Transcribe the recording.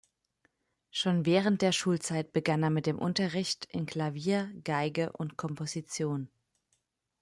Schon während der Schulzeit begann er mit dem Unterricht in Klavier, Geige und Komposition.